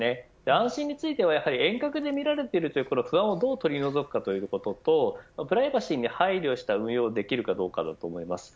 安心については遠隔で見られているという不安をどう取り除くかということとプライバシーに配慮した運用ができるかどうかです。